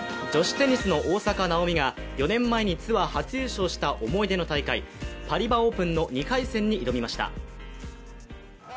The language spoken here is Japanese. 女子テニスの大坂なおみが４年前にツアー初優勝した思い出の大会、パリバ・オープンの２回戦に挑みました。